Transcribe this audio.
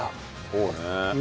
そうね。